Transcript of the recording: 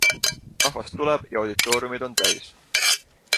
Rahvast tuleb ja auditooriumid on täis.